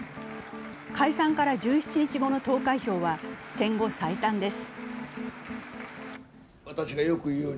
解散から１７日後の投開票は戦後最短です。